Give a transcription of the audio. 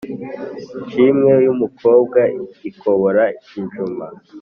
Nshimwe y’umukobwa ikobora injuma